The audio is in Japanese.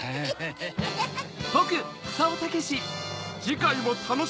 ハハハハ！